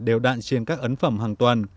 đều đạn trên các ấn phẩm hàng tuần